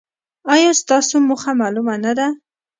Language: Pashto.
ایا ستاسو موخه معلومه نه ده؟